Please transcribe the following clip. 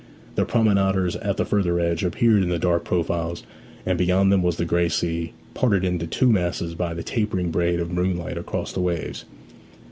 The promenaders at the further edge appeared in dark profiles; and beyond them was the grey sea, parted into two masses by the tapering braid of moonlight across the waves.